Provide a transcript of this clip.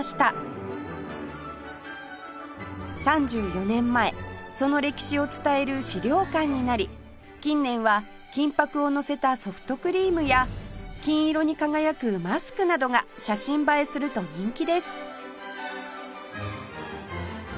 ３４年前その歴史を伝える資料館になり近年は金箔をのせたソフトクリームや金色に輝くマスクなどが写真映えすると人気です